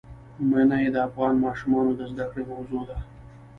منی د افغان ماشومانو د زده کړې موضوع ده.